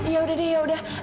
yaudah deh yaudah